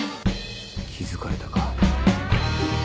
気付かれたか。